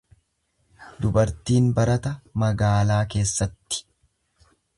Dubartiin barata magaalaa keessatti.